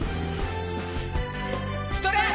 ストレッ！